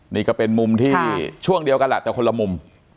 นี่ก็เป็นมุมที่ช่วงเดียวกันแหละแต่คนละมุม